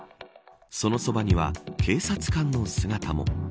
その側には警察官の姿も。